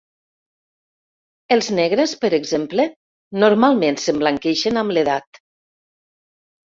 Els negres, per exemple, normalment s'emblanqueixen amb l'edat.